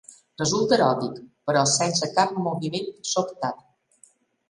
Resulta eròtic, però sense cap moviment sobtat.